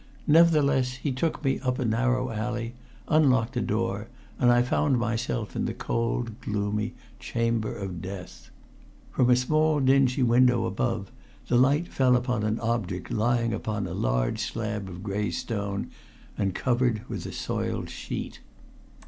Nevertheless, he took me up a narrow alley, unlocked a door, and I found myself in the cold, gloomy chamber of death. From a small dingy window above the light fell upon an object lying upon a large slab of gray stone and covered with a soiled sheet.